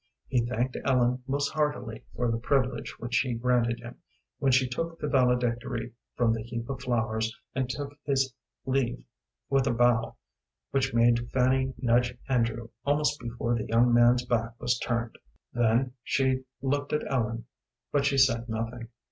He thanked Ellen most heartily for the privilege which she granted him, when she took the valedictory from the heap of flowers, and took his leave with a bow which made Fanny nudge Andrew, almost before the young man's back was turned. Then she looked at Ellen, but she said nothing.